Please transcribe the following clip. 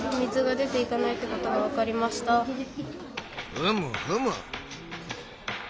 ふむふむ。